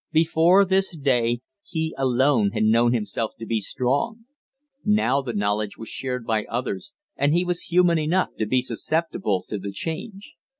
Before this day he alone had known himself to be strong; now the knowledge was shared by others and he was human enough to be susceptible to the change.